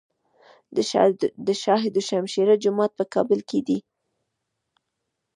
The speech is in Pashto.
د شاه دوشمشیره جومات په کابل کې دی